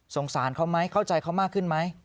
สารเขาไหมเข้าใจเขามากขึ้นไหม